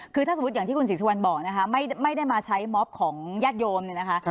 คือถ้าสมมุติอย่างที่คุณศรีสุวรรณบอกนะคะไม่ได้มาใช้มอบของญาติโยมเนี่ยนะคะ